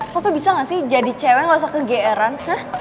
aku tuh bisa gak sih jadi cewek gak usah kegeeran